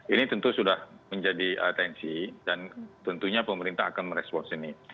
ini tentu sudah menjadi atensi dan tentunya pemerintah akan merespons ini